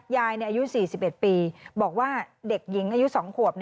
ยายอายุสี่สิบเอ็ดปีบอกว่าเด็กหญิงอายุสองขวบ